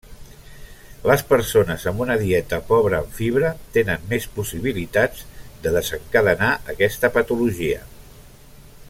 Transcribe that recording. Les persones amb una dieta pobra en fibra tenen més possibilitats de desencadenar aquesta patologia.